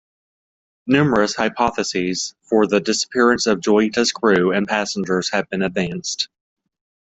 Numerous hypotheses for the disappearance of "Joyita"s crew and passengers have been advanced.